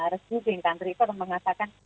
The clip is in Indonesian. resmi resmi yang ditantri itu akan mengatakan